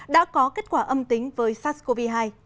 đã có kết quả âm tính với sars cov hai